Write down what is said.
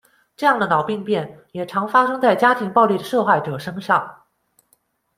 这样的脑病变，也常发生在家庭暴力的受害者身上。